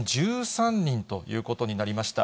１０１３人ということになりました。